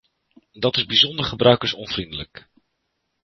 Dat is bijzonder gebruikersonvriendelijk.